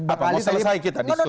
bapak mau selesai kita disusul